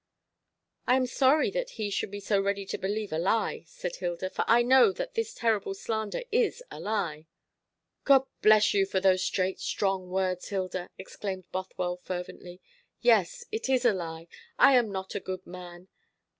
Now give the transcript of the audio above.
"I am sorry that he should be so ready to believe a lie," said Hilda, "for I know that this terrible slander is a lie." "God bless you for those straight, strong words, Hilda!" exclaimed Bothwell fervently. "Yes, it is a lie. I am not a good man.